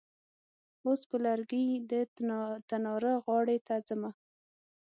اوس په لرګي د تناره غاړې ته ځمه.